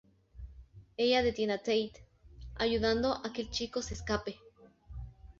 Ella detiene a Tate, ayudando a que el chico se escape.